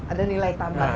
ada nilai tambah